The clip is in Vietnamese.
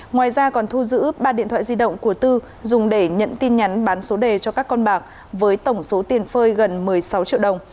ngoài ra còn thu giữ ba điện thoại di động của tư dùng để nhận tin nhắn bán số đề cho các con bạc với tổng số tiền phơi gần một mươi sáu triệu đồng